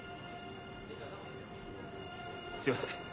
すいません